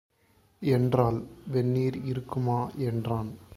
என்றாள். "வெந்நீர் இருக்குமா" என்றான்.